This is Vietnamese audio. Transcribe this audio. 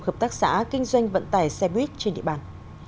hợp tác xã kinh doanh vận tải xe buýt trên địa bàn